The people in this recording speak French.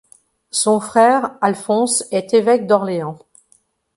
Son frère Alphonse est évêque d'Orléans.